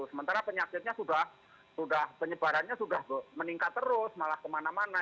sementara penyakitnya sudah penyebarannya sudah meningkat terus malah kemana mana